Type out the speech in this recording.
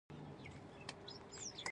کتل د ذهن دروازې خلاصوي